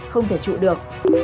không thể trụ được